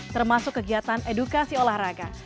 termasuk kegiatan edukasi olahraga